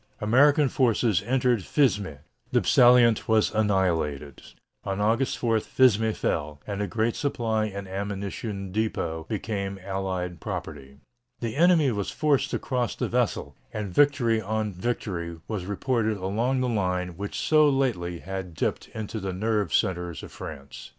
American forces entered Fismes. The salient was annihilated. On August 4 Fismes fell, and the great supply and ammunition depot became Allied property. The enemy was forced to cross the Vesle, and victory on victory was reported along the line which so lately had dipped into the nerve centres of France.